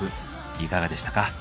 いかがでしたか？